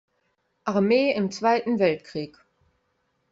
Armee im Zweiten Weltkrieg.